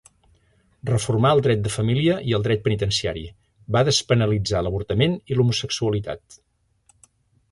Reformà el dret de família i el dret penitenciari, va despenalitzar l'avortament i l'homosexualitat.